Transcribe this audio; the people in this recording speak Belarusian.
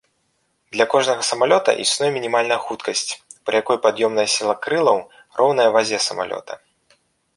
Для кожнага самалёта існуе мінімальная хуткасць, пры якой пад'ёмная сіла крылаў роўная вазе самалёта.